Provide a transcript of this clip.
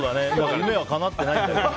夢はかなってないんだけどね。